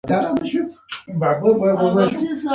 ایا زه باید جیلې وخورم؟